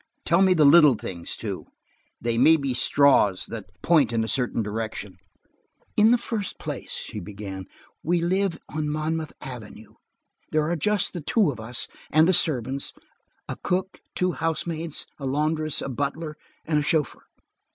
Tell me the little things too. They may be straws that will point in a certain direction." "In the first place," she began, "we live on Monmouth Avenue. There are just the two of us, and the servants: a cook, two housemaids, a laundress, a butler and a chauffeur.